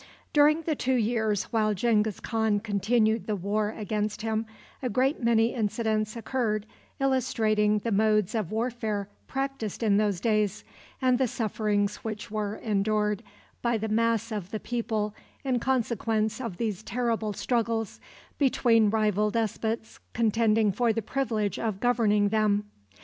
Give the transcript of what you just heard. During the two years while Genghis Khan continued the war against him, a great many incidents occurred illustrating the modes of warfare practiced in those days, and the sufferings which were endured by the mass of the people in consequence of these terrible struggles between rival despots contending for the privilege of governing them.